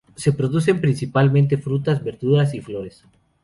Se producen principalmente frutas, verduras y flores.